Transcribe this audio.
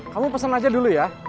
kamu pesen aja dulu ya